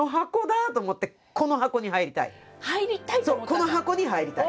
この箱に入りたい。